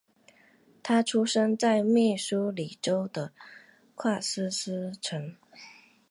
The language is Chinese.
他出生在密苏里州的堪萨斯城。